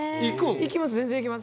行きます。